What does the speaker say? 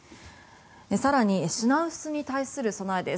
更に品薄に対する備えです。